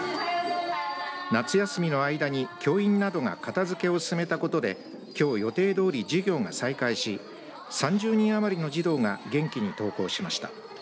夏休みの間に教員などが片づけを進めたことできょう予定どおり授業が再開し３０人余りの児童が元気に登校しました。